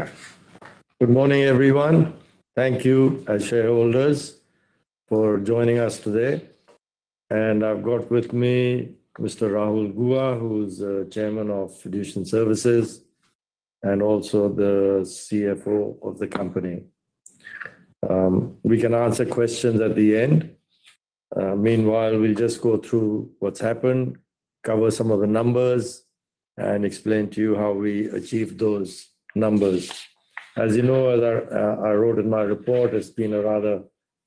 Yeah. Good morning, everyone. Thank you, our shareholders, for joining us today. And I've got with me Mr. Rahul Guha, who's Chairman of Fiducian Services and also the Chief Financial Officer of the company. We can answer questions at the end. Meanwhile, we'll just go through what's happened, cover some of the numbers, and explain to you how we achieved those numbers. As you know, as I wrote in my report, it's been a rather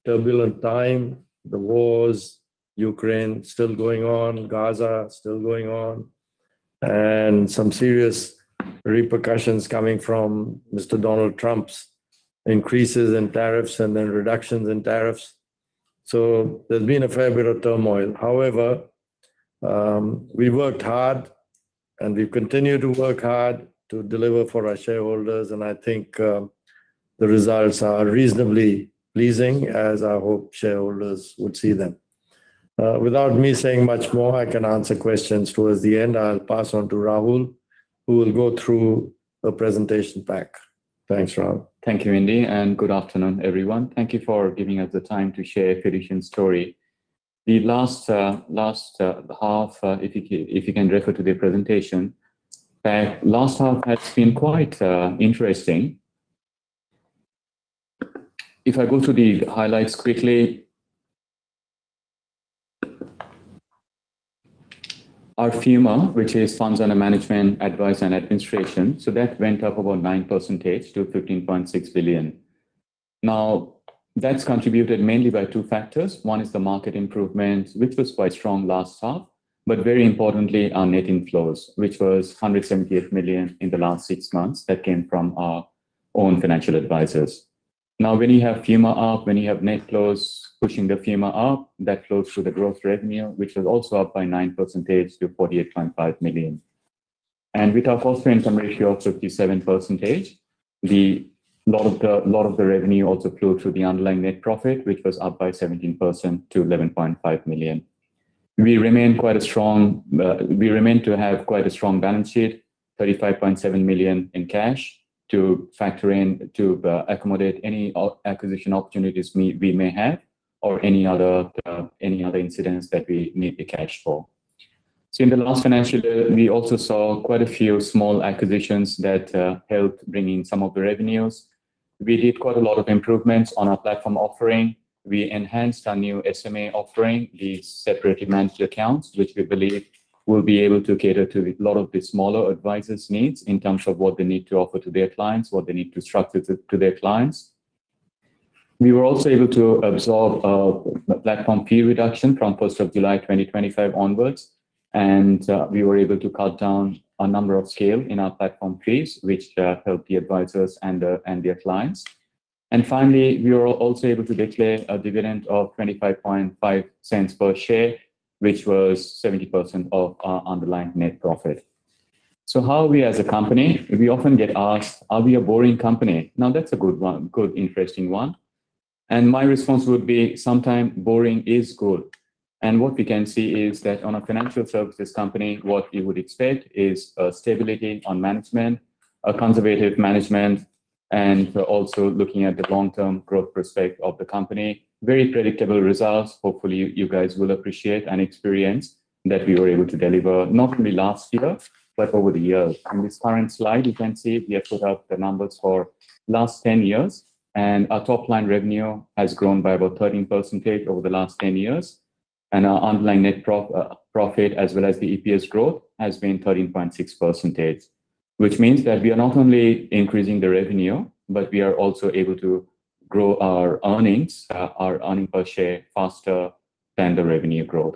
turbulent time. The wars, Ukraine still going on, Gaza still going on, and some serious repercussions coming from Mr. Donald Trump's increases in tariffs and then reductions in tariffs. So there's been a fair bit of turmoil. However, we worked hard, and we've continued to work hard to deliver for our shareholders, and I think the results are reasonably pleasing, as I hope shareholders would see them. Without me saying much more, I can answer questions towards the end. I'll pass on to Rahul, who will go through a presentation pack. Thanks, Rahul. Thank you, Indy, and good afternoon, everyone. Thank you for giving us the time to share Fiducian's story. The last half, if you can refer to the presentation, last half has been quite interesting. If I go through the highlights quickly. Our FUMA, which is funds under management, advice, and administration, so that went up about 9% to 15.6 billion. Now, that's contributed mainly by two factors. One is the market improvement, which was quite strong last half, but very importantly, our net inflows, which was 178 million in the last six months. That came from our own financial advisors. Now, when you have FUMA up, when you have net flows pushing the FUMA up, that flows through the growth revenue, which is also up by 9% to 48.5 million. With our flow-through income ratio of 57%, a lot of the revenue also flowed through the underlying net profit, which was up by 17% to 11.5 million. We remain quite strong. We have quite a strong balance sheet, 35.7 million in cash to factor in to accommodate any acquisition opportunities we may have or any other incidents that we need cash for. So in the last financial year, we also saw quite a few small acquisitions that helped bring in some of the revenues. We did quite a lot of improvements on our platform offering. We enhanced our new SMA offering, the separately managed accounts, which we believe will be able to cater to a lot of the smaller advisors' needs in terms of what they need to offer to their clients, what they need to structure to their clients. We were also able to absorb the platform fee reduction from July 1, 2025 onwards, and we were able to cut down our number of scale in our platform fees, which helped the advisors and their clients. And finally, we were also able to declare a dividend of 0.255 per share, which was 70% of our underlying net profit. So how are we as a company? We often get asked, "Are we a boring company?" Now, that's a good one, good, interesting one, and my response would be, sometime boring is good. What we can see is that on a financial services company, what you would expect is stability on management, a conservative management, and also looking at the long-term growth prospect of the company. Very predictable results. Hopefully, you guys will appreciate and experience that we were able to deliver not only last year, but over the years. On this current slide, you can see we have put up the numbers for last 10 years, and our top-line revenue has grown by about 13% over the last 10 years, and our underlying net profit, as well as the EPS growth, has been 13.6%, which means that we are not only increasing the revenue, but we are also able to grow our earnings, our earnings per share faster than the revenue growth.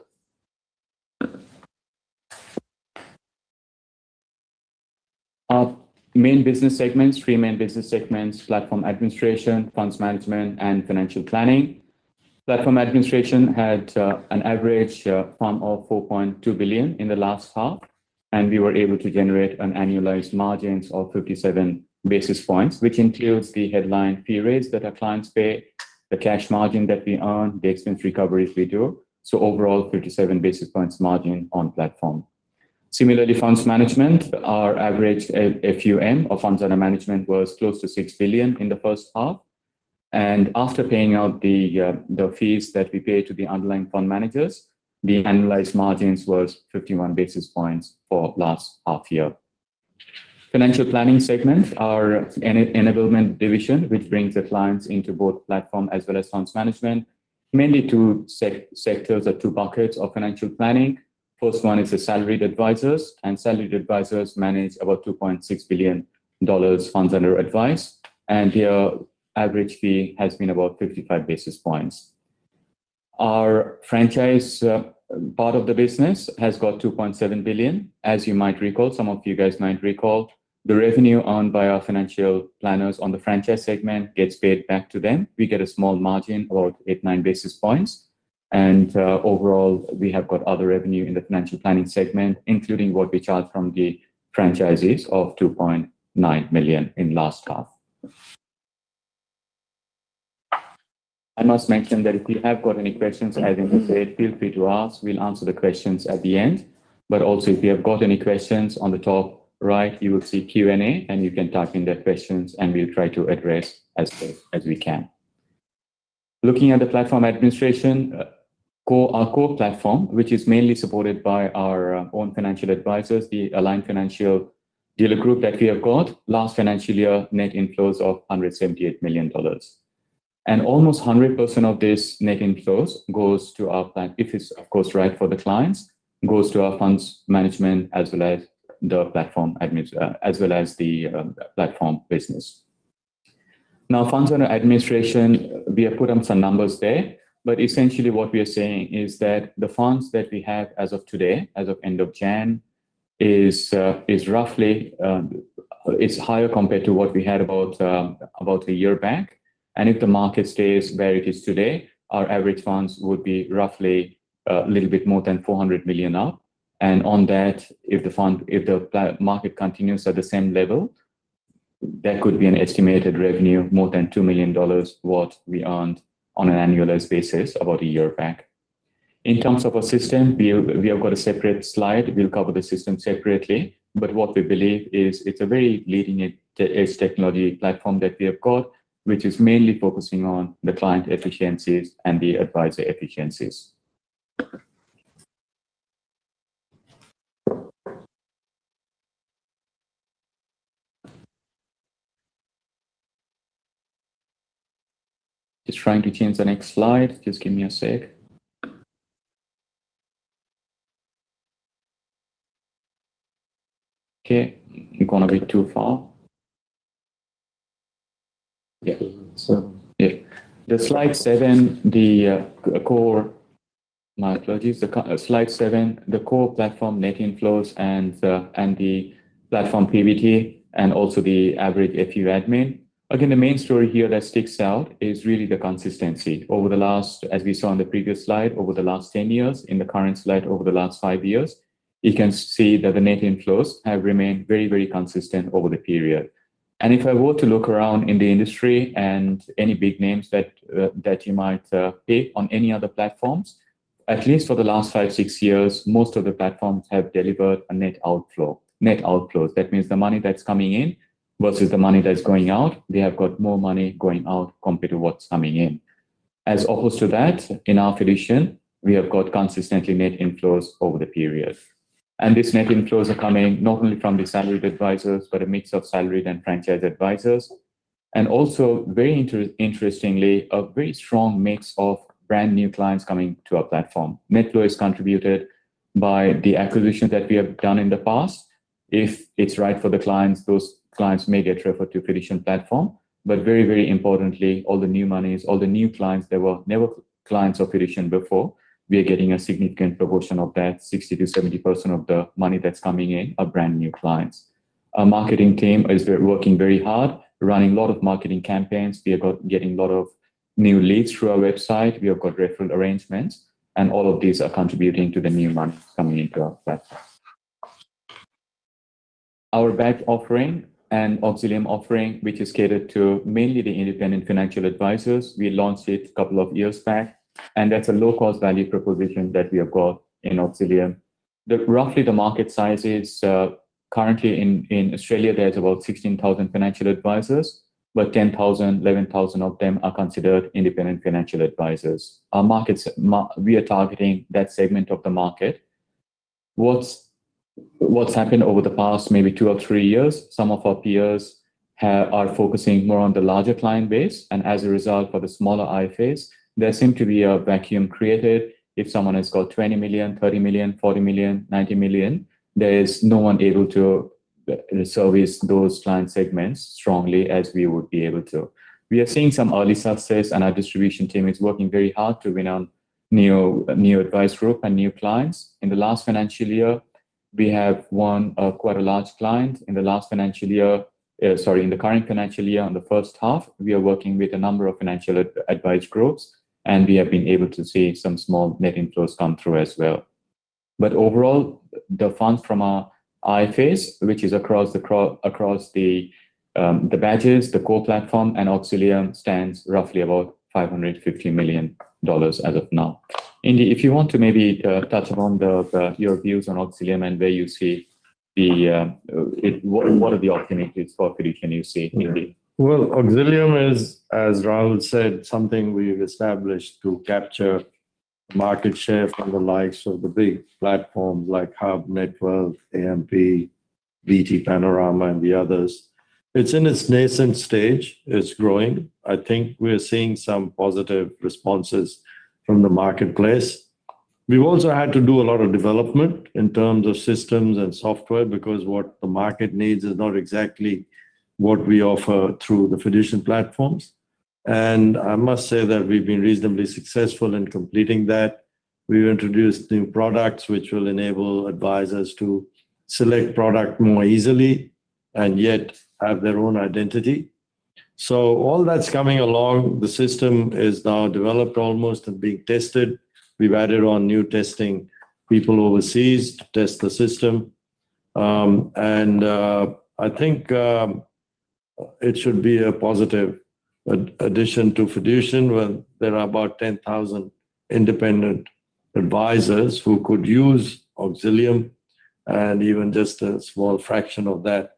Our main business segments, three main business segments: platform administration, funds management, and financial planning. Platform administration had an average FUM of 4.2 billion in the last half, and we were able to generate an annualized margins of 57 basis points, which includes the headline fee rates that our clients pay, the cash margin that we earn, the expense recoveries we do. So overall, 57 basis points margin on platform. Similarly, funds management, our average FUM or funds under management, was close to 6 billion in the first half. And after paying out the fees that we pay to the underlying fund managers, the annualized margins was 51 basis points for last half year. Financial planning segment, our enablement division, which brings the clients into both platform as well as funds management, mainly two sectors or two buckets of financial planning. First one is the salaried advisors, and salaried advisors manage about 2.6 billion dollars funds under advice, and their average fee has been about 55 basis points. Our franchise part of the business has got 2.7 billion. As you might recall, some of you guys might recall, the revenue earned by our financial planners on the franchise segment gets paid back to them. We get a small margin, about 8-9 basis points, and overall, we have got other revenue in the financial planning segment, including what we charge from the franchisees of 2.9 million in last half... I must mention that if you have got any questions, as I said, feel free to ask. We'll answer the questions at the end. But also, if you have got any questions, on the top right, you will see Q&A, and you can type in the questions, and we'll try to address as we can. Looking at the platform administration, our core platform, which is mainly supported by our own financial advisors, the Aligned Financial Dealer Group that we have got, last financial year, net inflows of 178 million dollars. And almost 100% of this net inflows goes to our platform, if it's, of course, right for the clients, goes to our funds management, as well as the platform admin, as well as the platform business. Now, funds under administration, we have put on some numbers there, but essentially what we are saying is that the funds that we have as of today, as of the end of January, is roughly. It's higher compared to what we had about, about a year back. And if the market stays where it is today, our average funds would be roughly, a little bit more than 400 million up. And on that, if the market continues at the same level, that could be an estimated revenue of more than 2 million dollars, what we earned on an annualized basis about a year back. In terms of our system, we have got a separate slide. We'll cover the system separately, but what we believe is it's a very leading edge technology platform that we have got, which is mainly focusing on the client efficiencies and the advisor efficiencies. Just trying to change the next slide. Just give me a sec. Okay, you've gone a bit too far. Yeah. So yeah, the slide seven, the core. My apologies. The slide seven, the core platform net inflows and the platform PBT, and also the average FU admin. Again, the main story here that sticks out is really the consistency. Over the last, as we saw on the previous slide, over the last 10 years, in the current slide, over the last five years, you can see that the net inflows have remained very, very consistent over the period. And if I were to look around in the industry and any big names that that you might pick on any other platforms, at least for the last five, six years, most of the platforms have delivered a net outflow, net outflows. That means the money that's coming in versus the money that's going out, they have got more money going out compared to what's coming in. As opposed to that, in our platform, we have got consistently net inflows over the period. This net inflows are coming not only from the salaried advisors, but a mix of salaried and franchise advisors, and also, very interestingly, a very strong mix of brand-new clients coming to our platform. Net flow is contributed by the acquisitions that we have done in the past. If it's right for the clients, those clients may get referred to Fiducian platform, but very, very importantly, all the new monies, all the new clients, they were never clients of Fiducian before. We are getting a significant proportion of that, 60%-70% of the money that's coming in are brand-new clients. Our marketing team is working very hard, running a lot of marketing campaigns. We are getting a lot of new leads through our website. We have got referral arrangements, and all of these are contributing to the new money coming into our platform. Our badge offering and Auxilium offering, which is catered to mainly the independent financial advisors, we launched it a couple of years back, and that's a low-cost value proposition that we have got in Auxilium. The, roughly the market size is, currently in, in Australia, there's about 16,000 financial advisors, but 10,000, 11,000 of them are considered independent financial advisors. We are targeting that segment of the market. What's happened over the past maybe two or three years, some of our peers have, are focusing more on the larger client base, and as a result, for the smaller IFAs, there seem to be a vacuum created. If someone has got 20 million, 30 million, 40 million, 90 million, there is no one able to service those client segments strongly as we would be able to. We are seeing some early success, and our distribution team is working very hard to win on new, new advice group and new clients. In the last financial year, we have won quite a large client. In the last financial year, sorry, in the current financial year, on the first half, we are working with a number of financial advice groups, and we have been able to see some small net inflows come through as well. But overall, the funds from our IFAs, which is across the badges, the core platform, and Auxilium stands roughly about 550 million dollars as of now. Indy, if you want to maybe touch upon your views on Auxilium and where you see it. What are the opportunities for Fiducian you see, Indy? Well, Auxilium is, as Rahul said, something we've established to capture market share from the likes of the big platforms like HUB24, Netwealth, AMP, BT Panorama, and the others. It's in its nascent stage. It's growing. I think we are seeing some positive responses from the marketplace. We've also had to do a lot of development in terms of systems and software, because what the market needs is not exactly what we offer through the Fiducian platforms. And I must say that we've been reasonably successful in completing that. We've introduced new products which will enable advisors to select product more easily and yet have their own identity. So all that's coming along, the system is now developed almost and being tested. We've added on new testing people overseas to test the system. I think it should be a positive but addition to Fiducian, where there are about 10,000 independent advisors who could use Auxilium, and even just a small fraction of that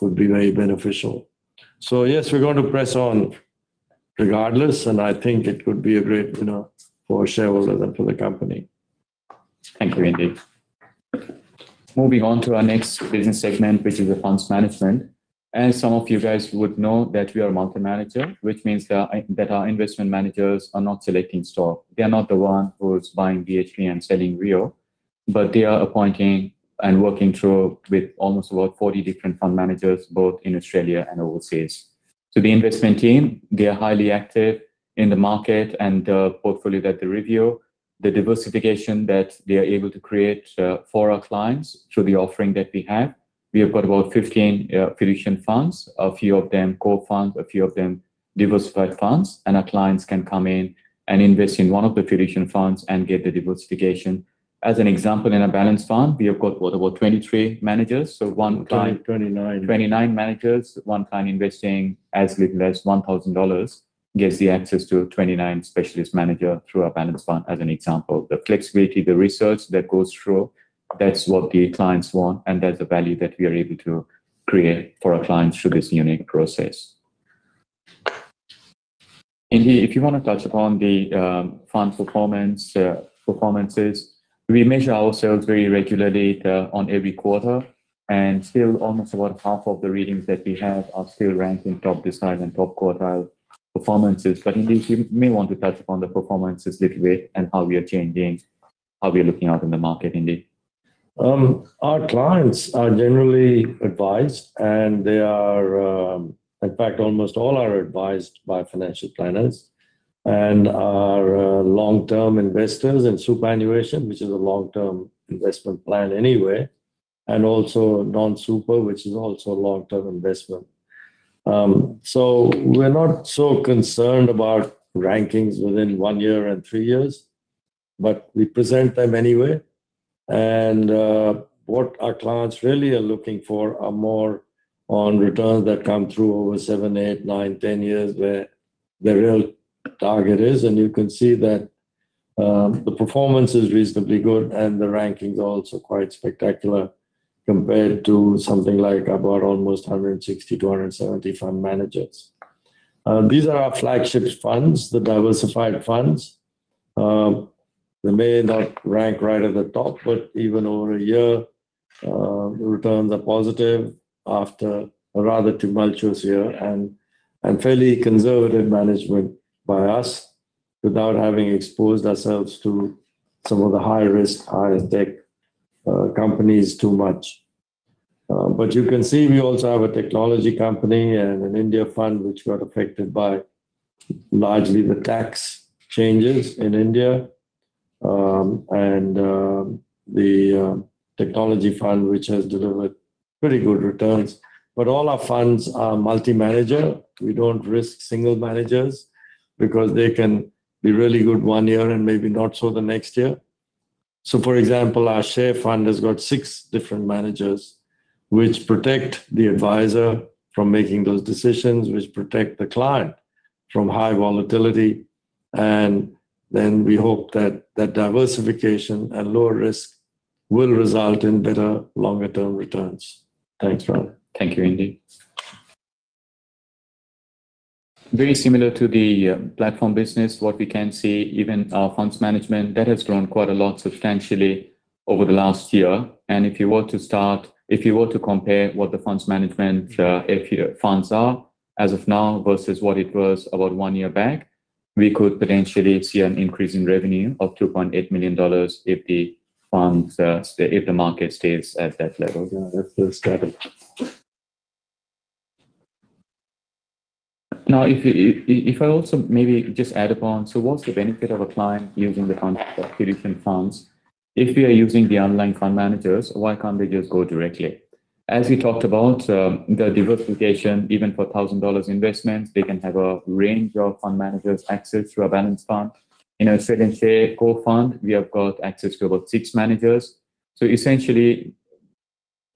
would be very beneficial. So yes, we're going to press on regardless, and I think it would be a great, you know, for shareholders and for the company. Thank you, Indy. Moving on to our next business segment, which is the funds management. As some of you guys would know that we are a multi-manager, which means that our, that our investment managers are not selecting stock. They are not the one who's buying BHP and selling Rio, but they are appointing and working through with almost about 40 different fund managers, both in Australia and overseas. So the investment team, they are highly active in the market and the portfolio that they review, the diversification that they are able to create, for our clients through the offering that we have. We have got about 15 Fiducian funds, a few of them core funds, a few of them diversified funds, and our clients can come in and invest in one of the Fiducian funds and get the diversification. As an example, in a balanced fund, we have got what, about 23 managers. So one client- 29. 29 managers, one client investing as little as 1,000 dollars, gets the access to 29 specialist manager through our balanced fund as an example. The flexibility, the research that goes through, that's what the clients want, and that's the value that we are able to create for our clients through this unique process. Indy, if you wanna touch upon the, fund performance, performances. We measure ourselves very regularly, on every quarter, and still almost about half of the readings that we have are still ranking top decile and top quartile performances. But Indy, you may want to touch upon the performances little bit and how we are changing, how we are looking out in the market, Indy. Our clients are generally advised, and they are. In fact, almost all are advised by financial planners and are long-term investors in superannuation, which is a long-term investment plan anyway, and also non-super, which is also a long-term investment. So we're not so concerned about rankings within 1 year and three years, but we present them anyway. What our clients really are looking for are more on returns that come through over seven, eight, nine, 10 years, where the real target is, and you can see that the performance is reasonably good, and the rankings are also quite spectacular compared to something like about almost 160-170 fund managers. These are our flagship funds, the diversified funds. They may not rank right at the top, but even over a year, the returns are positive after a rather tumultuous year and fairly conservative management by us, without having exposed ourselves to some of the high-risk, high-tech, companies too much. But you can see we also have a technology company and an India fund, which got affected by largely the tax changes in India, and the technology fund, which has delivered pretty good returns. But all our funds are multi-manager. We don't risk single managers because they can be really good one year and maybe not so the next year. For example, our share fund has got six different managers, which protect the advisor from making those decisions, which protect the client from high volatility, and then we hope that that diversification and lower risk will result in better longer-term returns. Thanks, Rahul. Thank you, Indy. Very similar to the platform business, what we can see, even our funds management, that has grown quite a lot substantially over the last year. If you were to compare what the funds management, if your funds are as of now versus what it was about one year back, we could potentially see an increase in revenue of 2.8 million dollars if the funds, if the market stays at that level. Yeah, that's incredible. Now, if I also maybe just add upon, so what's the benefit of a client using the fund, Fiducian funds? If we are using the online fund managers, why can't they just go directly? As we talked about, the diversification, even for 1,000 dollars investment, they can have a range of fund managers access through a balanced fund. In Australian share core fund, we have got access to about six managers. So essentially,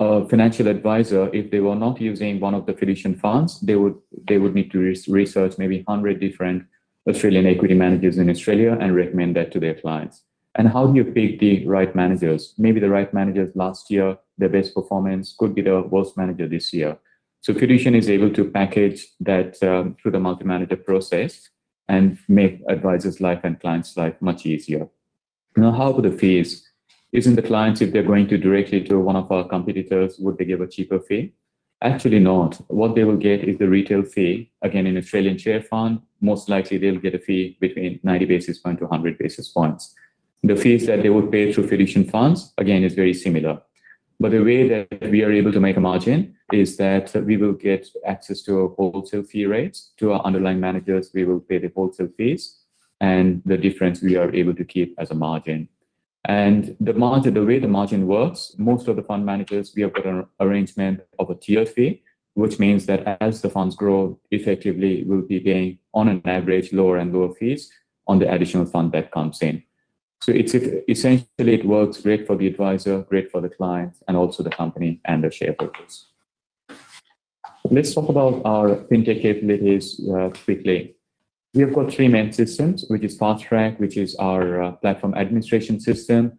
a financial advisor, if they were not using one of the Fiducian funds, they would need to research maybe 100 different Australian equity managers in Australia and recommend that to their clients. And how do you pick the right managers? Maybe the right managers last year, their best performance could be the worst manager this year. So Fiducian is able to package that through the multi-manager process and make advisers' life and clients' life much easier. Now, how about the fees? Isn't the clients, if they're going to directly to one of our competitors, would they give a cheaper fee? Actually, not. What they will get is the retail fee. Again, in Australian share fund, most likely they'll get a fee between 90-100 basis points. The fees that they would pay through Fiducian funds, again, is very similar. But the way that we are able to make a margin is that we will get access to a wholesale fee rates. To our underlying managers, we will pay the wholesale fees, and the difference we are able to keep as a margin. The margin, the way the margin works, most of the fund managers, we have got an arrangement of a tier fee, which means that as the funds grow, effectively, we'll be paying on an average, lower and lower fees on the additional fund that comes in. It's, essentially, it works great for the advisor, great for the client, and also the company and the shareholders. Let's talk about our fintech capabilities quickly. We have got three main systems, which is FastTrack, which is our platform administration system,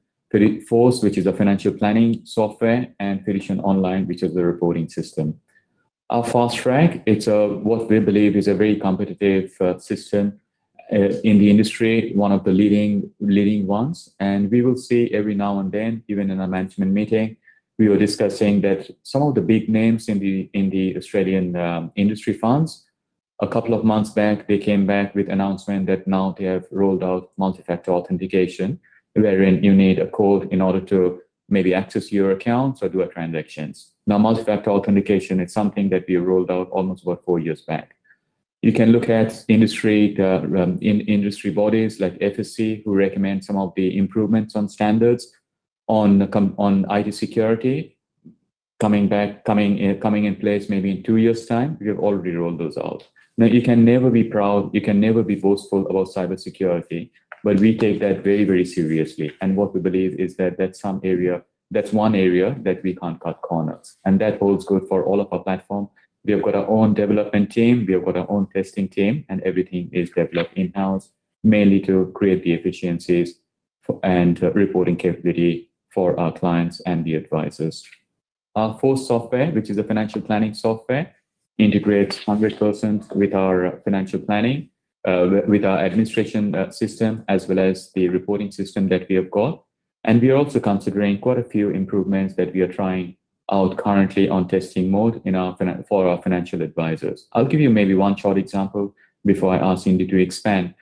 FORCe, which is a financial planning software, and Fiducian Online, which is the reporting system. Our FastTrack, it's what we believe is a very competitive system in the industry, one of the leading, leading ones. We will see every now and then, even in our management meeting, we were discussing that some of the big names in the Australian industry funds, a couple of months back, they came back with announcement that now they have rolled out multi-factor authentication, wherein you need a code in order to maybe access your accounts or do a transactions. Now, multi-factor authentication, it's something that we rolled out almost about four years back. You can look at industry bodies like FSC, who recommend some of the improvements on standards on IT security coming in place maybe in two years' time. We have already rolled those out. Now, you can never be proud, you can never be boastful about cybersecurity, but we take that very, very seriously. And what we believe is that that's some area... That's one area that we can't cut corners, and that holds good for all of our platform. We have got our own development team, we have got our own testing team, and everything is developed in-house, mainly to create the efficiencies for, and reporting capability for our clients and the advisors. Our fourth software, which is a financial planning software, integrates 100% with our financial planning, with our administration system, as well as the reporting system that we have got. We are also considering quite a few improvements that we are trying out currently on testing mode for our financial advisors. I'll give you maybe one short example before I ask Indy to expand.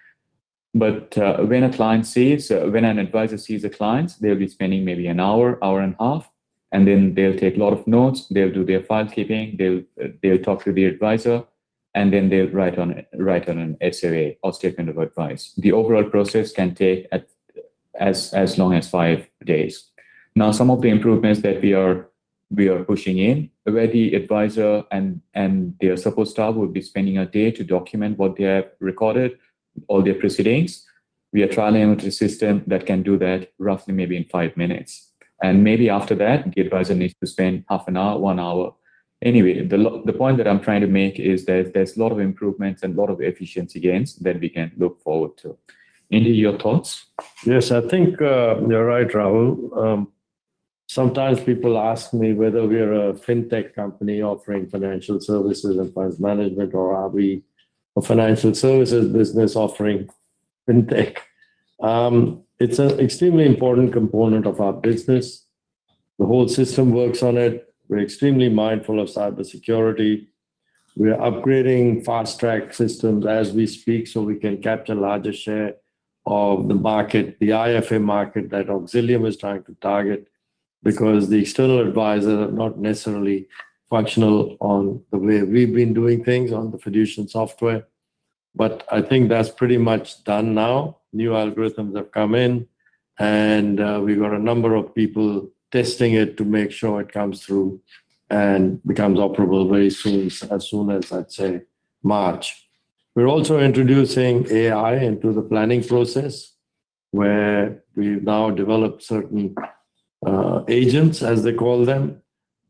But when a client sees, when an advisor sees a client, they'll be spending maybe an hour, one hour and a half, and then they'll take a lot of notes, they'll do their file keeping, they'll talk to the advisor, and then they'll write on an SOA or Statement of Advice. The overall process can take as long as five days. Now, some of the improvements that we are pushing in, where the advisor and their support staff would be spending a day to document what they have recorded, all their proceedings. We are trialing with a system that can do that roughly maybe in five minutes. And maybe after that, the advisor needs to spend half an hour, one hour. Anyway, the point that I'm trying to make is that there's a lot of improvements and a lot of efficiency gains that we can look forward to. Indy, your thoughts? Yes, I think you're right, Rahul. Sometimes people ask me whether we are a fintech company offering financial services and funds management, or are we a financial services business offering fintech? It's an extremely important component of our business. The whole system works on it. We're extremely mindful of cybersecurity. We are upgrading FastTrack systems as we speak so we can capture a larger share of the market, the IFA market that Auxilium is trying to target, because the external advisors are not necessarily functional on the way we've been doing things on the Fiducian software. But I think that's pretty much done now. New algorithms have come in, and we got a number of people testing it to make sure it comes through and becomes operable very soon, as soon as, I'd say, March. We're also introducing AI into the planning process, where we've now developed certain agents, as they call them,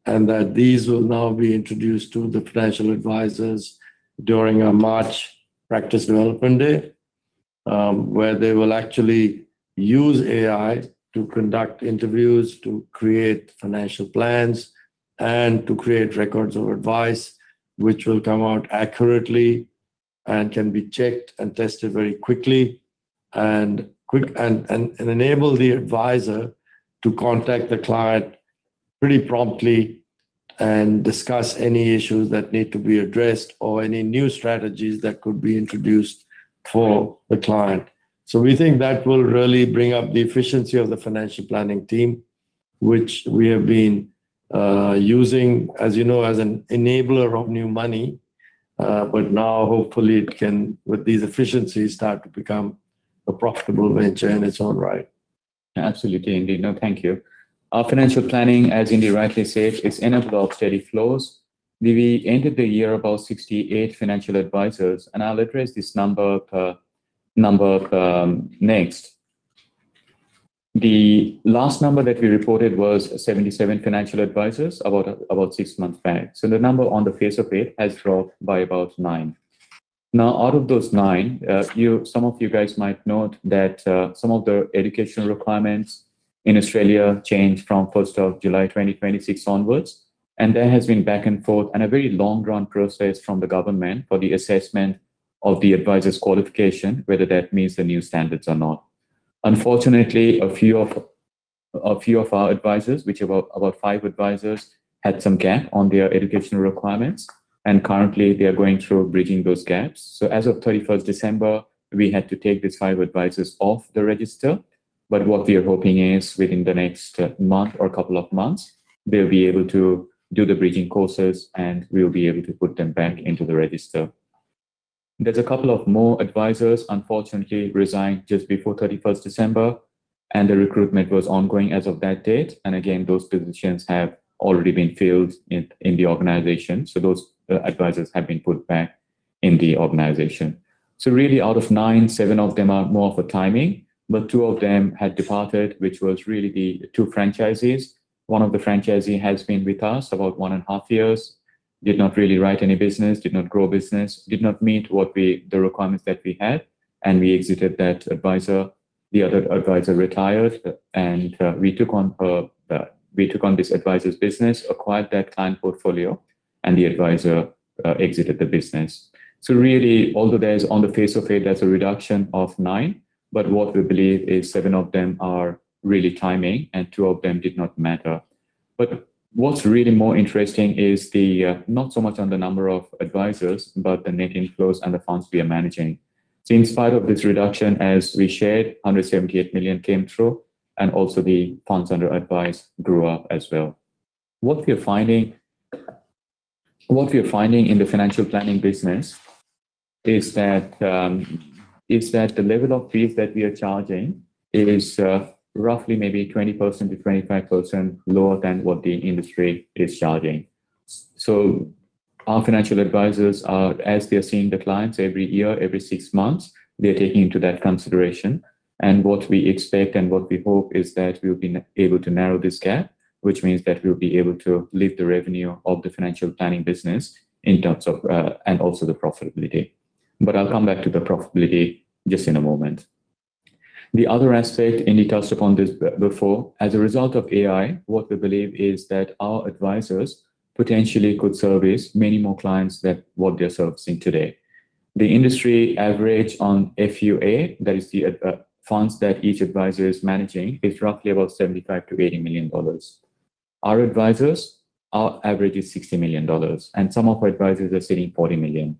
and that these will now be introduced to the financial advisors during our March practice development day, where they will actually use AI to conduct interviews, to create financial plans, and to create records of advice, which will come out accurately and can be checked and tested very quickly, and enable the advisor to contact the client pretty promptly and discuss any issues that need to be addressed or any new strategies that could be introduced for the client. We think that will really bring up the efficiency of the financial planning team, which we have been using, as you know, as an enabler of new money, but now hopefully it can, with these efficiencies, start to become a profitable venture in its own right. Absolutely, Indy. No, thank you. Our financial planning, as Indy rightly said, is underdeveloped steady flows. We ended the year about 68 financial advisors, and I'll address this number next. The last number that we reported was 77 financial advisors, about six months back. So the number on the face of it has dropped by about nine. Now, out of those nine, some of you guys might note that some of the educational requirements in Australia change from July 1, 2026 onwards, and there has been back and forth and a very long-run process from the government for the assessment of the advisor's qualification, whether that meets the new standards or not. Unfortunately, a few of our advisors, which are about five advisors, had some gap on their educational requirements, and currently they are going through bridging those gaps. So as of 31st December, we had to take these five advisors off the register. But what we are hoping is, within the next month or couple of months, they'll be able to do the bridging courses, and we'll be able to put them back into the register. There's a couple of more advisors, unfortunately, resigned just before 31st December, and the recruitment was ongoing as of that date. And again, those positions have already been filled in the organization, so those advisors have been put back in the organization. So really, out of nine, seven of them are more for timing, but two of them had departed, which was really the two franchisees. One of the franchisee has been with us about one and a half years, did not really write any business, did not grow business, did not meet the requirements that we had, and we exited that advisor. The other advisor retired, and we took on this advisor's business, acquired that client portfolio, and the advisor exited the business. So really, although there's on the face of it, that's a reduction of nine, but what we believe is seven of them are really timing, and two of them did not matter. But what's really more interesting is not so much on the number of advisors, but the net inflows and the funds we are managing. So in spite of this reduction, as we shared, 178 million came through, and also the funds under advice grew up as well. What we are finding in the financial planning business is that the level of fees that we are charging is roughly maybe 20%-25% lower than what the industry is charging. So our financial advisors are, as they are seeing the clients every year, every six months, they're taking that into consideration. And what we expect and what we hope is that we'll be able to narrow this gap, which means that we'll be able to lift the revenue of the financial planning business in terms of and also the profitability. But I'll come back to the profitability just in a moment. The other aspect, and Indy touched upon this before, as a result of AI, what we believe is that our advisors potentially could service many more clients than what they're servicing today. The industry average on FUA, that is the funds that each advisor is managing, is roughly about 75 million-80 million dollars. Our advisors, our average is 60 million dollars, and some of our advisors are sitting 40 million.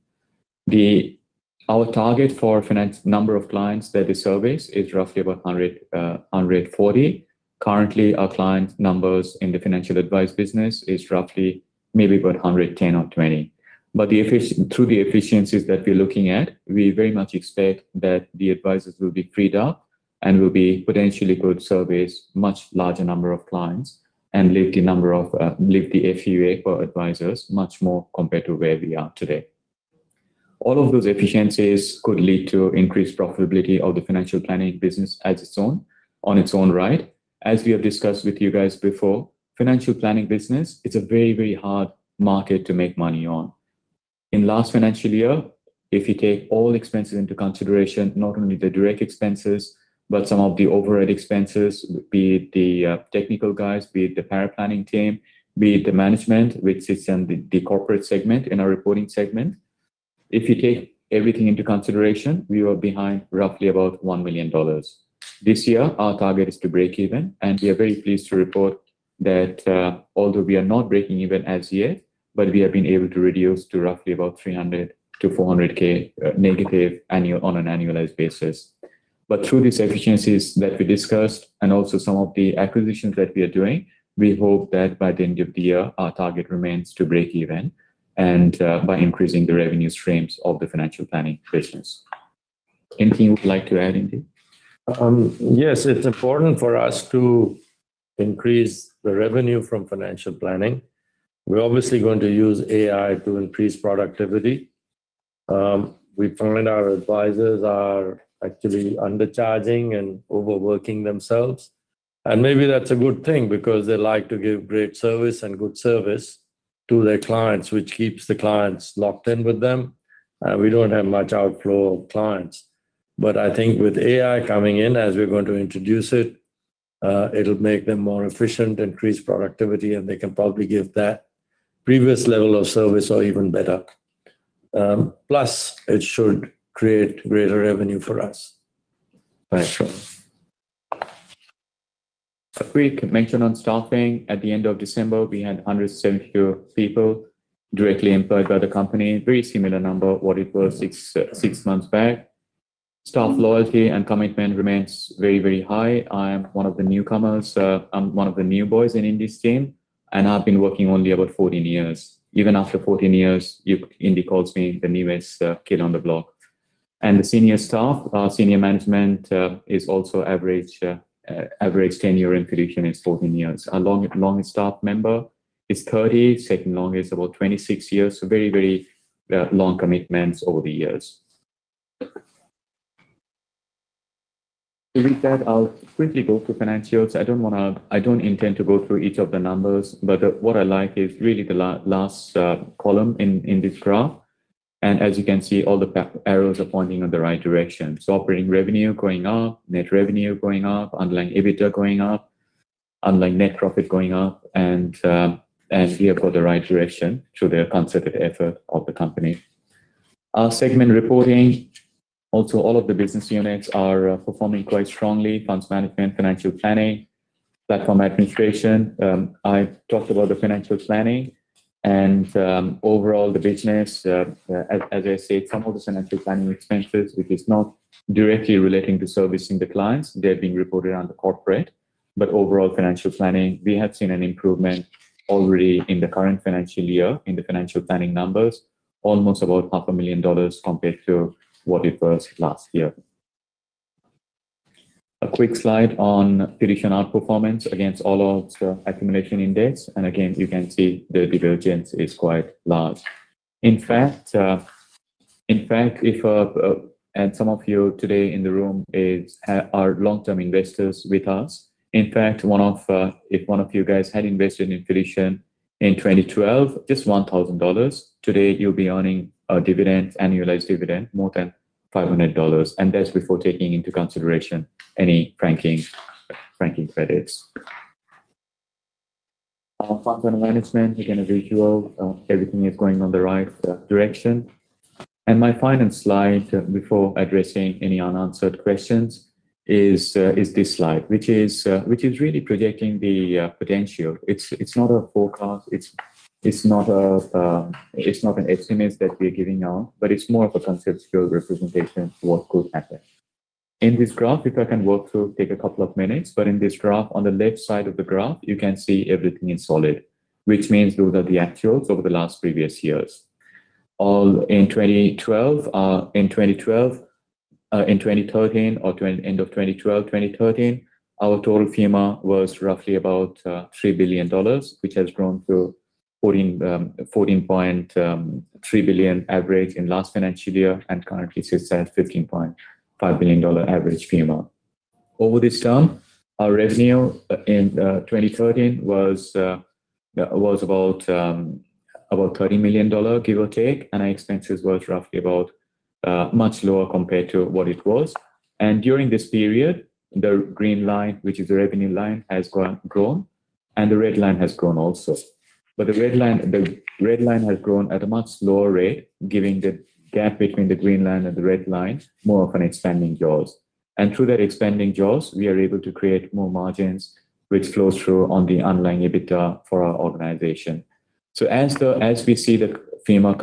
Our target for financial number of clients that we service is roughly about 140. Currently, our client numbers in the financial advice business is roughly maybe about 110 or 120. Through the efficiencies that we're looking at, we very much expect that the advisors will be freed up and will be potentially could service much larger number of clients and lift the number of, lift the FUA for advisors much more compared to where we are today. All of those efficiencies could lead to increased profitability of the financial planning business as its own, on its own right. As we have discussed with you guys before, financial planning business, it's a very, very hard market to make money on. In last financial year, if you take all expenses into consideration, not only the direct expenses, but some of the overhead expenses, be it the technical guys, be it the paraplanning team, be it the management, which sits in the corporate segment, in our reporting segment. If you take everything into consideration, we were behind roughly about 1 million dollars. This year, our target is to break even, and we are very pleased to report that, although we are not breaking even as yet, but we have been able to reduce to roughly about 300,000-400,000 negative annual, on an annualized basis. But through these efficiencies that we discussed and also some of the acquisitions that we are doing, we hope that by the end of the year, our target remains to break even, and, by increasing the revenue streams of the financial planning business. Anything you would like to add, Indy? Yes, it's important for us to increase the revenue from financial planning. We're obviously going to use AI to increase productivity. We find our advisors are actually undercharging and overworking themselves, and maybe that's a good thing because they like to give great service and good service to their clients, which keeps the clients locked in with them. We don't have much outflow of clients. But I think with AI coming in as we're going to introduce it, it'll make them more efficient, increase productivity, and they can probably give that previous level of service or even better. Plus, it should create greater revenue for us. Thanks. A quick mention on staffing. At the end of December, we had 172 people directly employed by the company. Very similar number, what it was six months back. Staff loyalty and commitment remains very, very high. I am one of the newcomers. I'm one of the new boys in Indy's team, and I've been working only about 14 years. Even after 14 years, Indy calls me the newest kid on the block. And the senior staff, our senior management, is also average tenured position is 14 years. Our longest staff member is 30, second longest is about 26 years. So very, very long commitments over the years. With that, I'll quickly go through financials. I don't wanna. I don't intend to go through each of the numbers, but what I like is really the last column in this graph. And as you can see, all the arrows are pointing in the right direction. So operating revenue going up, net revenue going up, underlying EBITDA going up, underlying net profit going up, and here for the right direction through the concerted effort of the company. Our segment reporting, also, all of the business units are performing quite strongly, funds management, financial planning, platform administration. I've talked about the financial planning and overall the business, as I said, some of the financial planning expenses, which is not directly relating to servicing the clients, they're being reported under corporate. Overall financial planning, we have seen an improvement already in the current financial year, in the financial planning numbers, almost about 500,000 dollars compared to what it was last year. A quick slide on Fiducian outperformance against all of the accumulation index. Again, you can see the divergence is quite large. In fact, in fact, if and some of you today in the room is, are long-term investors with us. In fact, one of, if one of you guys had invested in Fiducian in 2012, just 1,000 dollars, today, you'll be earning a dividend, annualized dividend, more than 500 dollars, and that's before taking into consideration any franking, franking credits. Our funds under management, again, a visual, everything is going on the right direction. And my final slide before addressing any unanswered questions is, is this slide, which is, which is really projecting the, potential. It's, it's not a forecast, it's, it's not a, it's not an estimate that we're giving out, but it's more of a conceptual representation of what could happen. In this graph, if I can walk through, take a couple of minutes, but in this graph, on the left side of the graph, you can see everything in solid, which means those are the actuals over the last previous years. All in 2012, in 2012, in 2013 or end of 2012, 2013, our total FUMA was roughly about 3 billion dollars, which has grown to 14.3 billion average in last financial year and currently sits at 15.5 billion dollar average FUMA. Over this term, our revenue in 2013 was about 30 million dollar, give or take, and our expenses was roughly about much lower compared to what it was. And during this period, the green line, which is the revenue line, has grown, grown, and the red line has grown also. But the red line, the red line has grown at a much slower rate, giving the gap between the green line and the red line more of an expanding jaws. And through that expanding jaws, we are able to create more margins, which flows through on the underlying EBITDA for our organization. So as the. As we see the FUMA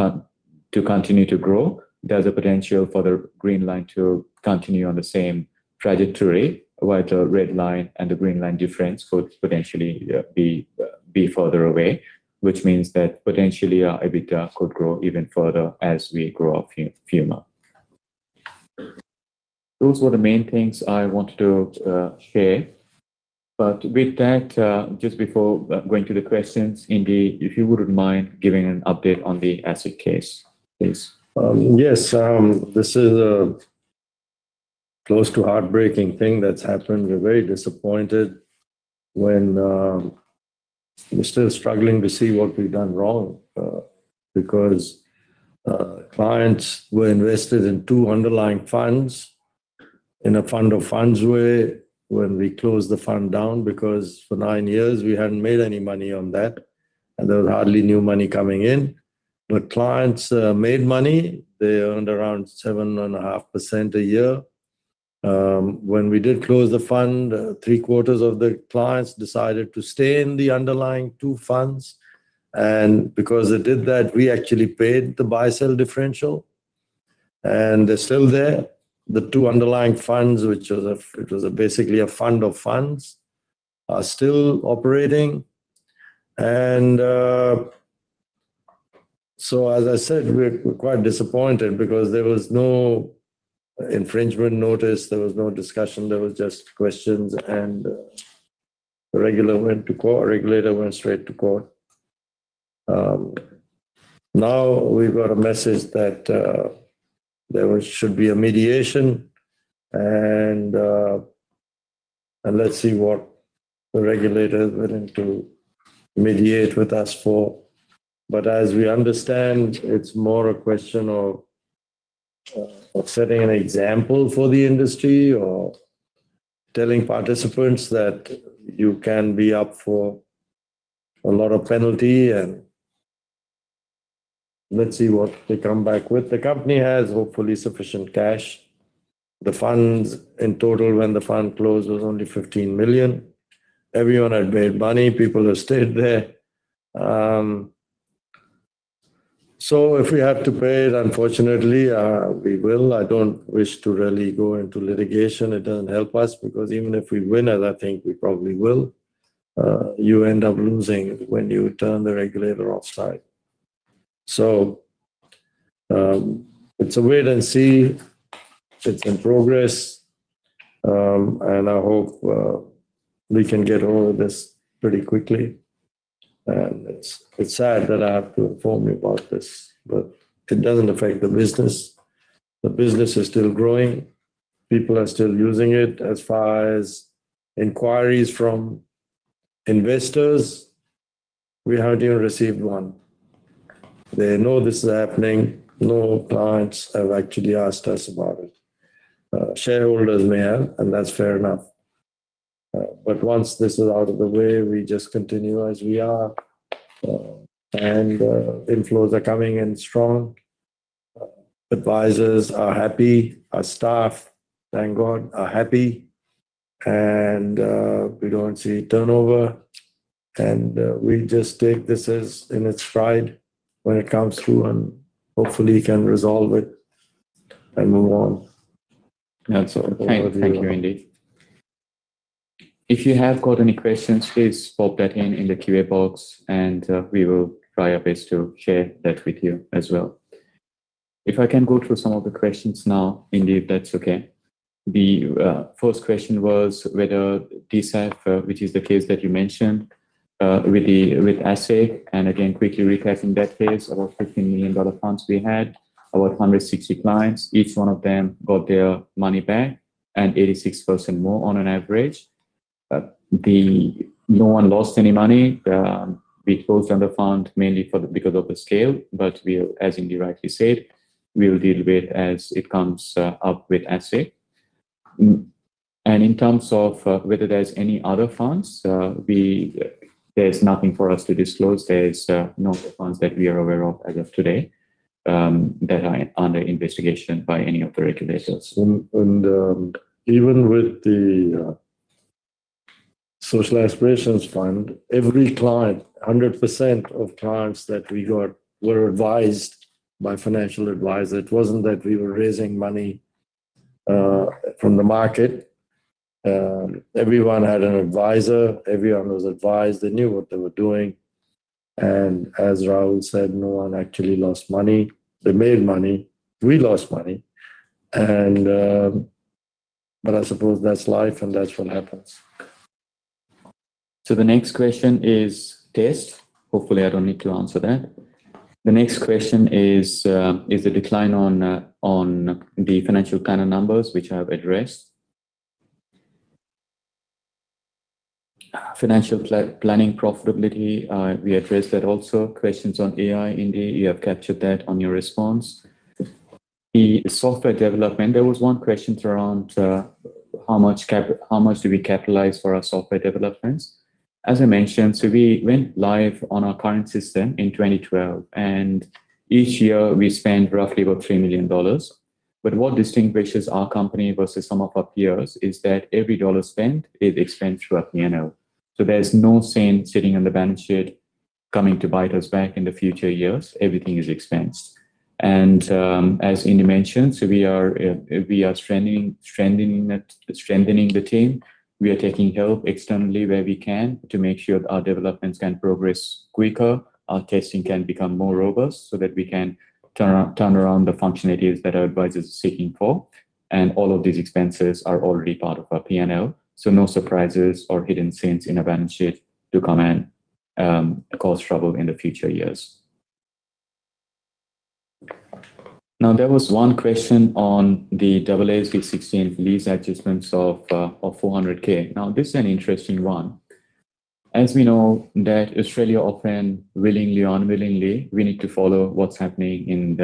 continue to grow, there's a potential for the green line to continue on the same trajectory, while the red line and the green line difference could potentially be further away, which means that potentially our EBITDA could grow even further as we grow our FUMA. Those were the main things I wanted to share. But with that, just before going to the questions, Indy, if you wouldn't mind giving an update on the asset class, please. Yes, this is a close to heartbreaking thing that's happened. We're very disappointed. When we're still struggling to see what we've done wrong, because clients were invested in two underlying funds, in a fund of funds way, when we closed the fund down, because for nine years, we hadn't made any money on that, and there was hardly new money coming in. But clients made money. They earned around 7.5% a year. When we did close the fund, three quarters of the clients decided to stay in the underlying two funds, and because they did that, we actually paid the buy-sell differential, and they're still there. The two underlying funds, which was basically a fund of funds, are still operating. And, so as I said, we're, we're quite disappointed because there was no infringement notice, there was no discussion, there was just questions, and the regulator went to court, regulator went straight to court. Now we've got a message that, there should be a mediation, and, and let's see what the regulator wanting to mediate with us for. But as we understand, it's more a question of, setting an example for the industry or telling participants that you can be up for a lot of penalty and let's see what they come back with. The company has hopefully sufficient cash. The funds in total when the fund closed was only 15 million. Everyone had made money. People have stayed there. So if we have to pay it, unfortunately, we will. I don't wish to really go into litigation. It doesn't help us, because even if we win, as I think we probably will, you end up losing when you turn the regulator offside. So, it's a wait and see. It's in progress, and I hope we can get over this pretty quickly. And it's sad that I have to inform you about this, but it doesn't affect the business. The business is still growing. People are still using it. As far as inquiries from investors, we hardly received one. They know this is happening. No clients have actually asked us about it. Shareholders may have, and that's fair enough. But once this is out of the way, we just continue as we are, and inflows are coming in strong. Advisors are happy. Our staff, thank God, are happy, and we don't see turnover, and we just take this as in its stride when it comes through, and hopefully, we can resolve it and move on. That's all. Thank you, Indy. If you have got any questions, please pop that in the Q&A box, and we will try our best to share that with you as well. If I can go through some of the questions now, Indy, if that's okay. The first question was whether the case, which is the case that you mentioned, with ASIC. And again, quickly recapping that case, about 15 million dollar funds we had, about 160 clients. Each one of them got their money back and 86% more on average. No one lost any money. We closed down the fund mainly because of the scale, but we, as Indy rightly said, we will deal with as it comes up with ASIC. In terms of whether there's any other funds, there's nothing for us to disclose. There's no other funds that we are aware of as of today, that are under investigation by any of the regulators. Even with the Superannuation Service, every client, 100% of clients that we got, were advised by financial advisor. It wasn't that we were raising money from the market. Everyone had an advisor, everyone was advised, they knew what they were doing, and as Rahul said, no one actually lost money. They made money. We lost money, and, but I suppose that's life, and that's what happens. So the next question is test. Hopefully, I don't need to answer that. The next question is, is the decline on, on the financial kind of numbers, which I have addressed. Financial planning profitability, we addressed that also. Questions on AI, Indy, you have captured that on your response. The software development, there was one question around, how much do we capitalize for our software developments? As I mentioned, so we went live on our current system in 2012, and each year, we spend roughly about 3 million dollars. But what distinguishes our company versus some of our peers is that every dollar spent is spent through our P&L. So there's no cent sitting on the balance sheet coming to bite us back in the future years. Everything is expensed. As Indy mentioned, so we are strengthening the team. We are taking help externally where we can to make sure that our developments can progress quicker, our testing can become more robust, so that we can turn around the functionalities that our advisors are seeking for. And all of these expenses are already part of our P&L, so no surprises or hidden cents in a balance sheet to come in, and cause trouble in the future years. Now, there was one question on the AASB 16 lease adjustments of 400K. Now, this is an interesting one. As we know that Australia often, willingly, unwillingly, we need to follow what's happening in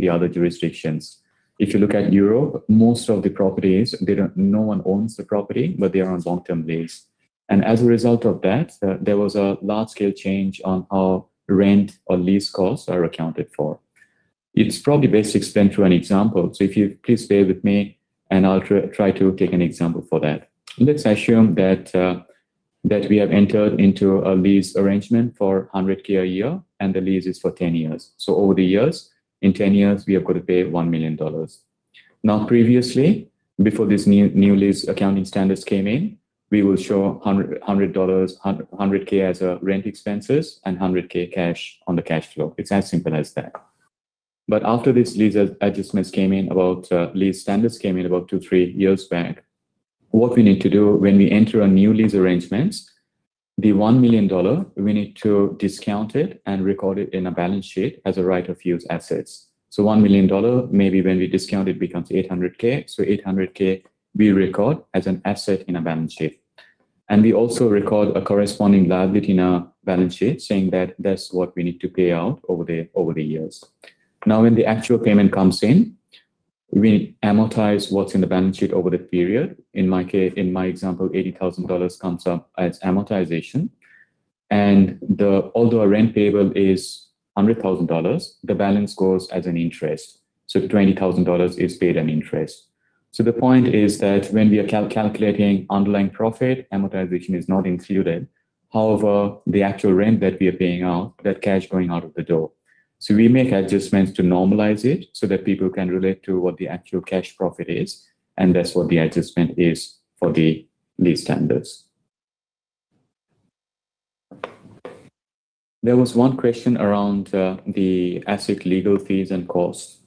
the other jurisdictions. If you look at Europe, most of the properties, they don't. No one owns the property, but they are on long-term lease. As a result of that, there was a large-scale change on how rent or lease costs are accounted for. It is probably best explained through an example. So if you please bear with me, and I'll try to take an example for that. Let's assume that we have entered into a lease arrangement for 100,000 a year, and the lease is for 10 years. So over the years, in 10 years, we have got to pay 1 million dollars. Now, previously, before this new lease accounting standards came in, we will show 100,000 dollars as rent expenses and 100,000 cash on the cash flow. It's as simple as that. But after this lease adjustments came in about lease standards came in about two to three years back, what we need to do when we enter a new lease arrangements, the 1 million dollar, we need to discount it and record it in a balance sheet as a right of use assets. So 1 million dollar, maybe when we discount it, becomes 800,000. So 800,000, we record as an asset in a balance sheet. And we also record a corresponding liability in our balance sheet, saying that that's what we need to pay out over the, over the years. Now, when the actual payment comes in, we amortize what's in the balance sheet over the period. In my example, 80,000 dollars comes up as amortization, and the. Although our rent payable is 100,000 dollars, the balance goes as an interest, so 20,000 dollars is paid as interest. So the point is that when we are calculating underlying profit, amortization is not included. However, the actual rent that we are paying out, that cash going out of the door. So we make adjustments to normalize it so that people can relate to what the actual cash profit is, and that's what the adjustment is for the lease standards. There was one question around the asset legal fees and costs.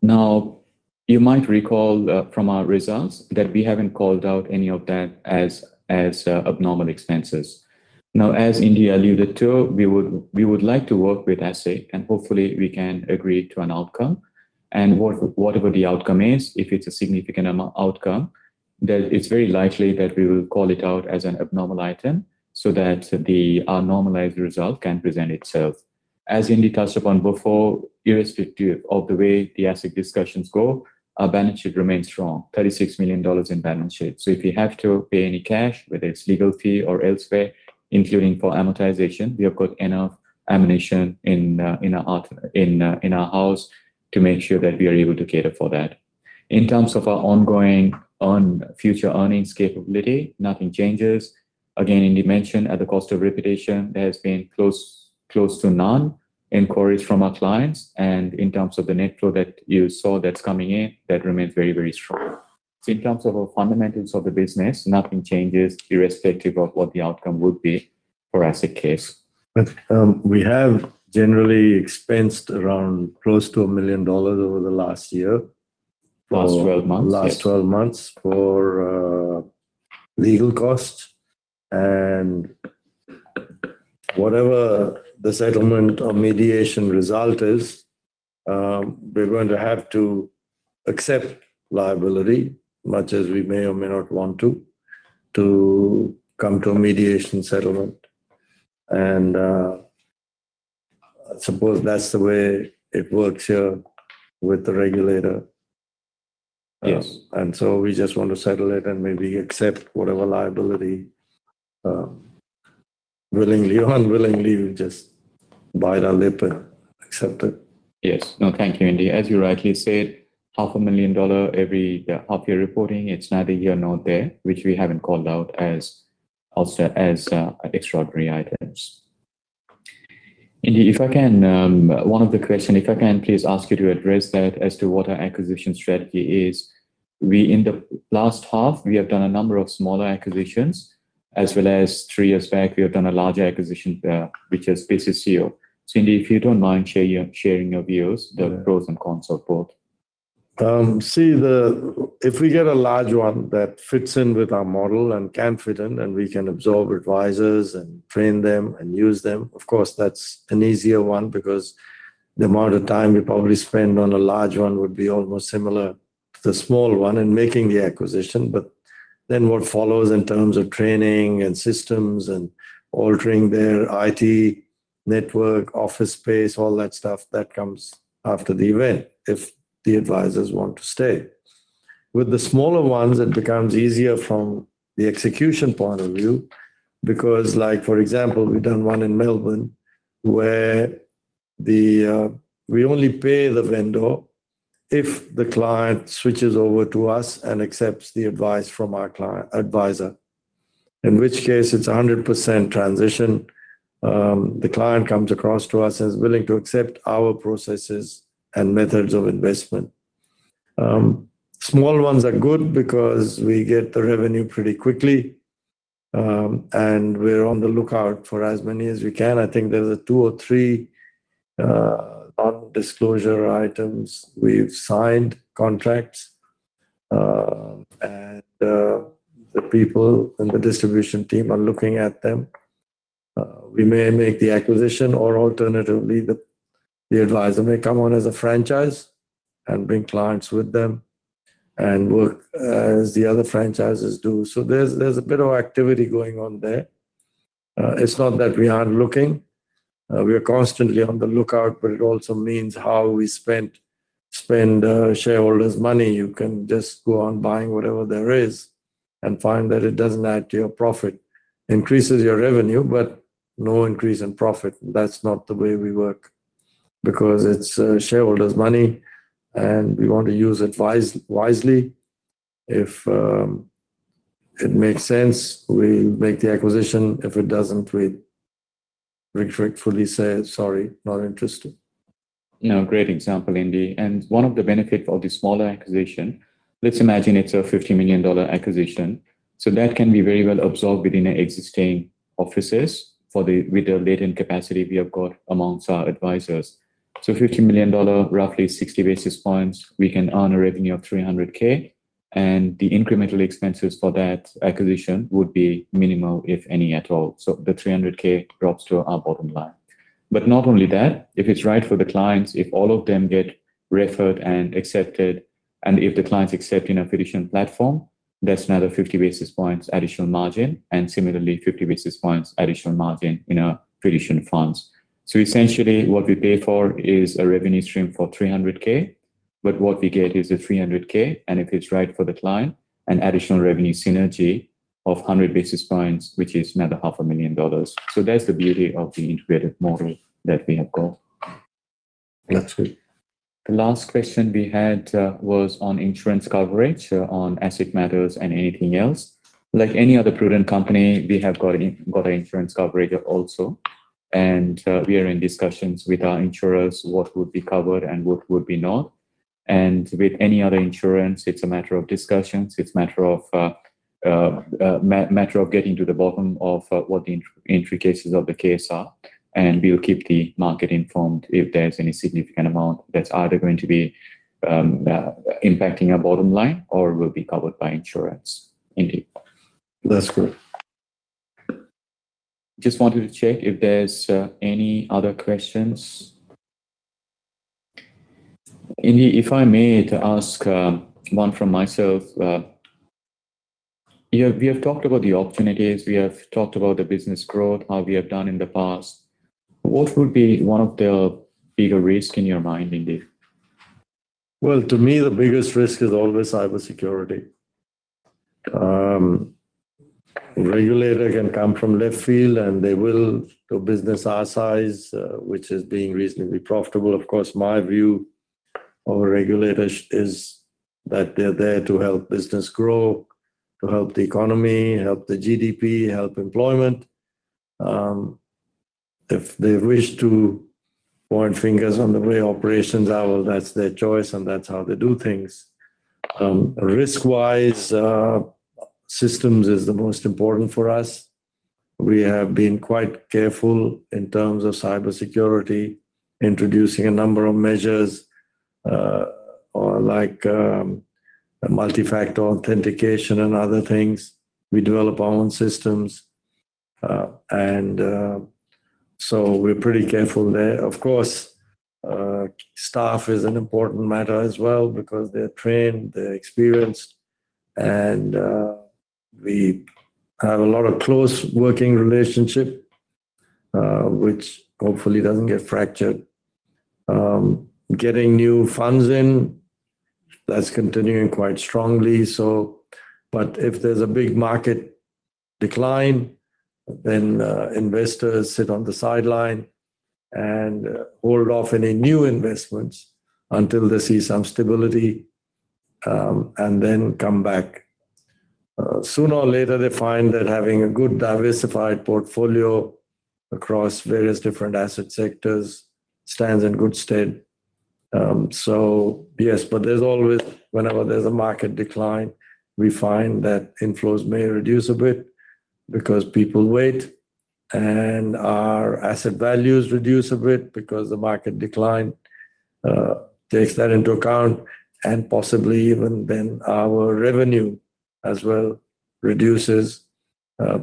Now, you might recall from our results that we haven't called out any of that as abnormal expenses. Now, as Indy alluded to, we would like to work with ASIC, and hopefully, we can agree to an outcome. Whatever the outcome is, if it's a significant amount outcome, then it's very likely that we will call it out as an abnormal item so that the, our normalized result can present itself. As Indy touched upon before, irrespective of the way the ASIC discussions go, our balance sheet remains strong, 36 million dollars in balance sheet. So if we have to pay any cash, whether it's legal fee or elsewhere, including for amortization, we have got enough ammunition in our house to make sure that we are able to cater for that. In terms of our ongoing on future earnings capability, nothing changes. Again, Indy mentioned, at the cost of repetition, there has been close to none inquiries from our clients, and in terms of the net flow that you saw that's coming in, that remains very, very strong. In terms of our fundamentals of the business, nothing changes irrespective of what the outcome would be for ASIC case. But, we have generally expensed around close to 1 million dollars over the last year. Last 12 months, yes. Last 12 months for legal costs. And whatever the settlement or mediation result is, we're going to have to accept liability, much as we may or may not want to, to come to a mediation settlement. And I suppose that's the way it works here with the regulator. Yes. We just want to settle it and maybe accept whatever liability, willingly or unwillingly, we just bite our lip and accept it. Yes. No, thank you, Indy. As you rightly said, 500,000 dollar every half-year reporting, it's neither here nor there, which we haven't called out as extraordinary items. Indy, if I can, one of the question, if I can please ask you to address that as to what our acquisition strategy is. In the last half, we have done a number of smaller acquisitions, as well as three years back, we have done a larger acquisition, which is PCCU. So Indy, if you don't mind, share your views, the pros and cons of both. If we get a large one that fits in with our model and can fit in, and we can absorb advisors and train them and use them, of course, that's an easier one because the amount of time we probably spend on a large one would be almost similar to the small one in making the acquisition. But then what follows in terms of training and systems and altering their IT network, office space, all that stuff, that comes after the event, if the advisors want to stay. With the smaller ones, it becomes easier from the execution point of view, because, like, for example, we've done one in Melbourne, where we only pay the vendor if the client switches over to us and accepts the advice from our client advisor. In which case, it's a 100% transition, the client comes across to us as willing to accept our processes and methods of investment. Small ones are good because we get the revenue pretty quickly, and we're on the lookout for as many as we can. I think there's a two or three non-disclosure items. We've signed contracts, and the people in the distribution team are looking at them. We may make the acquisition or alternatively, the advisor may come on as a franchise and bring clients with them and work as the other franchises do. So there's a bit of activity going on there. It's not that we aren't looking, we are constantly on the lookout, but it also means how we spend shareholders' money. You can just go on buying whatever there is and find that it doesn't add to your profit. Increases your revenue, but no increase in profit. That's not the way we work, because it's shareholders' money, and we want to use it wisely. If it makes sense, we make the acquisition. If it doesn't, we regretfully say, "Sorry, not interested. You know, great example, Indy. One of the benefit of the smaller acquisition, let's imagine it's a 50 million dollar acquisition. So that can be very well absorbed within our existing offices for the, with the latent capacity we have got amongst our advisors. So 50 million dollar, roughly 60 basis points, we can earn a revenue of 300,000, and the incremental expenses for that acquisition would be minimal, if any, at all. So the 300,000 drops to our bottom line. But not only that, if it's right for the clients, if all of them get referred and accepted, and if the clients accept in our prudent platform, that's another 50 basis points additional margin, and similarly, 50 basis points additional margin in our prudent funds. So essentially, what we pay for is a revenue stream for 300,000, but what we get is a 300,000, and if it's right for the client, an additional revenue synergy of 100 basis points, which is another 500,000 dollars. So that's the beauty of the integrated model that we have got. That's good. The last question we had was on insurance coverage on asset matters and anything else. Like any other prudent company, we have got an insurance coverage also, and we are in discussions with our insurers, what would be covered and what would be not. And with any other insurance, it's a matter of discussions, it's a matter of getting to the bottom of what the intricacies of the case are, and we'll keep the market informed if there's any significant amount that's either going to be impacting our bottom line or will be covered by insurance. Indy? That's good. Just wanted to check if there's any other questions. Indy, if I may to ask, one from myself, you know, we have talked about the opportunities, we have talked about the business growth, how we have done in the past. What would be one of the bigger risk in your mind, Indy? Well, to me, the biggest risk is always cybersecurity. Regulators can come from left field, and they will to a business our size, which is being reasonably profitable. Of course, our regulators is that they're there to help business grow, to help the economy, help the GDP, help employment. If they wish to point fingers on the way operations are, well, that's their choice, and that's how they do things. Risk-wise, systems is the most important for us. We have been quite careful in terms of cybersecurity, introducing a number of measures, like multi-factor authentication and other things. We develop our own systems, and so we're pretty careful there. Of course, staff is an important matter as well because they're trained, they're experienced, and we have a lot of close working relationship, which hopefully doesn't get fractured. Getting new funds in, that's continuing quite strongly, so. But if there's a big market decline, then investors sit on the sideline and hold off any new investments until they see some stability, and then come back. Sooner or later, they find that having a good diversified portfolio across various different asset sectors stands in good stead. So yes, but there's always, whenever there's a market decline, we find that inflows may reduce a bit because people wait, and our asset values reduce a bit because the market decline takes that into account, and possibly even then, our revenue as well reduces,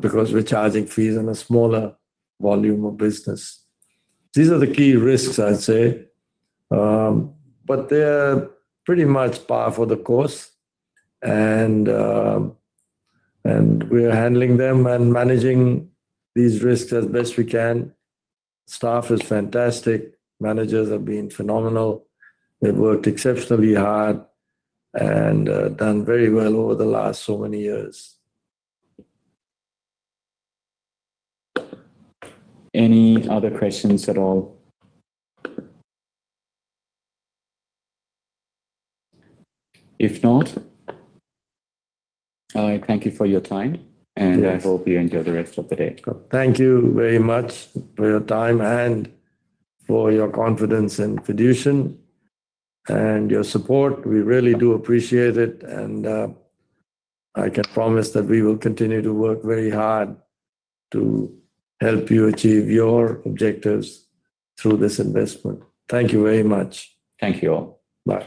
because we're charging fees on a smaller volume of business. These are the key risks, I'd say. But they're pretty much par for the course, and we are handling them and managing these risks as best we can. Staff is fantastic. Managers have been phenomenal. They've worked exceptionally hard and done very well over the last so many years. Any other questions at all? If not, I thank you for your time, and I hope you enjoy the rest of the day. Thank you very much for your time and for your confidence in Fiducian and your support. We really do appreciate it, and, I can promise that we will continue to work very hard to help you achieve your objectives through this investment. Thank you very much. Thank you all. Bye.